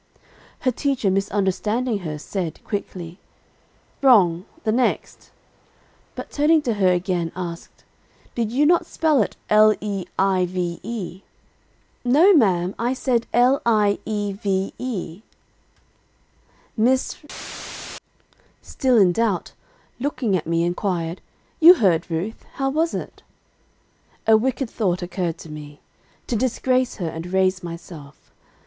'_ Her teacher misunderstanding her said, quickly, 'Wrong the next;' but turning to her again, asked, 'Did you not spell it l e i v e?' "'No ma'am, I said l i e v e,' "Miss R , still in doubt, looking at me, inquired, 'You heard, Ruth; how was it?' "A wicked thought occurred to me, to disgrace her, and raise myself.